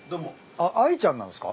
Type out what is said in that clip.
あっ愛ちゃんなんすか？